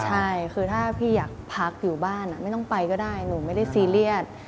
ใช่คือถ้าพี่อยากพักอยู่บ้านไม่ต้องไปก็ได้หนูไม่ได้ซีเรียส